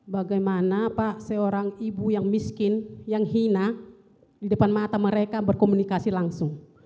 bagaimana pak seorang ibu yang miskin yang hina di depan mata mereka berkomunikasi langsung